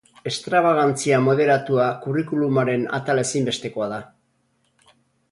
Estrabagantzia moderatua curriculumaren atal ezinbestekoa da.